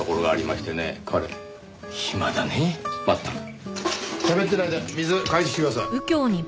しゃべってないで水替えてきてください。